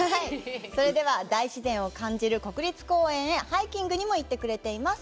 それでは、大自然を感じる国立公園へハイキングにも行ってくれています。